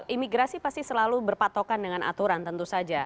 imigrasi pasti selalu berpatokan dengan aturan tentu saja